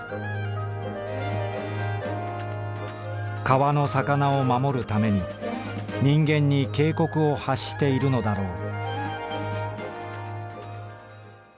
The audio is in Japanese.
「川の魚を守るために人間に警告を発しているのだろう」。